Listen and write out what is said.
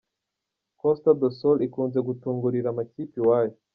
Costa Do Sol ikunze gutungurira amakipe iwayo.